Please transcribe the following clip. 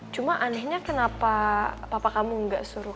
cuma anehnya kenapa papa kamu gak suruh kan